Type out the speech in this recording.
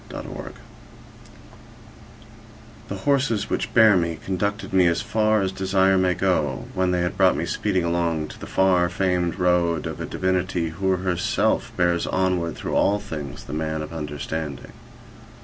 (PROOEMIUM) The horses which bear me conducted me as far as desire may go, when they had brought me speeding along to the far famed road of a divinity who herself bears onward through all 5 things the man of understanding.